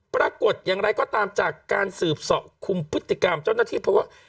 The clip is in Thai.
ปรากฏอย่างไรก็ตามจากการสืบเสาะคุมพฤติกรรมเจ้าหน้าที่เพราะว่า